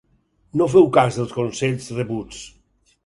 No féu cas dels consells rebuts.